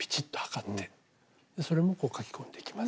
それも書き込んでいきます。